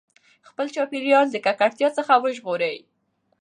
خپل چاپېریال د ککړتیا څخه وژغورئ.